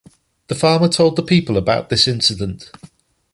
The farmer told the people about this incident.